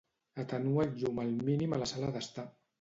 Atenua el llum al mínim a la sala d'estar.